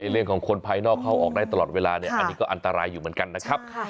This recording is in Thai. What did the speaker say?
เรื่องของคนภายนอกเข้าออกได้ตลอดเวลาเนี่ยอันนี้ก็อันตรายอยู่เหมือนกันนะครับ